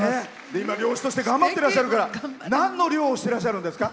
今、漁師として頑張ってらっしゃるからなんの漁をしてらっしゃるんですか？